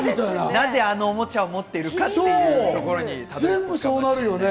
なぜ、あのおもちゃを持っているかというところにね。